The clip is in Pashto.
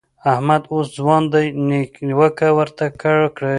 احمد اوس ځوان دی؛ نيوکه ورته کړئ.